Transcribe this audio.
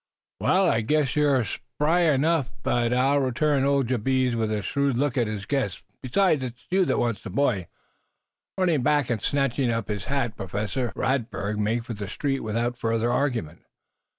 "Waal, I guess you're spryer'n I be," returned old Jabez, with a shrewd look at his guest. "Besides, it's you that wants the boy." Running back and snatching up his hat, Professor Radberg made for the street without further argument.